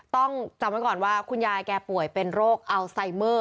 ต้องจำไว้ก่อนว่าคุณยายแกป่วยเป็นโรคอัลไซเมอร์